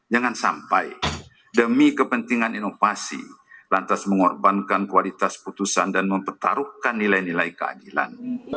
jangan sampai demi kepentingan inovasi lantas mengorbankan kualitas putusan dan mempertaruhkan nilai nilai keadilan